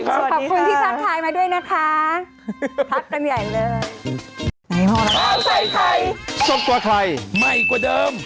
ข้าวใส่ไข่สดกว่าใครใหม่กว่าเดิม